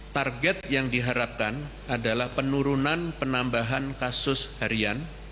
target yang diharapkan adalah penurunan penambahan kasus harian